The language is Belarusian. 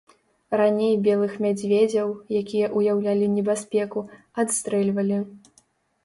Раней белых мядзведзяў, якія ўяўлялі небяспеку, адстрэльвалі.